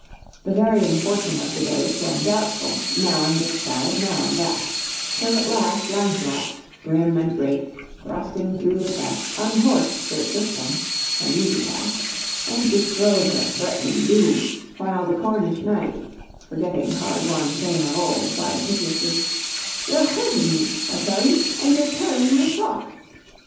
The varying fortune of the day swung doubtful now on this side, now on that; till at last Lancelot, grim and great, thrusting through the press, unhorsed Sir Tristram (an easy task), and bestrode her, threatening doom; while the Cornish knight, forgetting hard won fame of old, cried piteously, "You're hurting me, I tell you! and you're tearing my frock!"